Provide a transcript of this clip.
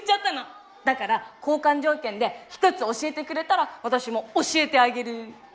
だから交換条件で一つ教えてくれたら私も教えてあげる。